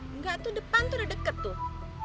enggak tuh depan tuh udah deket tuh